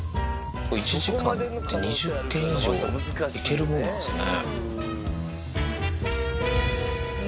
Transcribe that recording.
１時間で２０軒以上いけるもんなんですね。